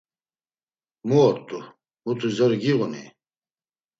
“Mu ort̆u? Muti zori giğuni?”